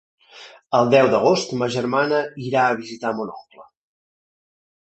El deu d'agost ma germana irà a visitar mon oncle.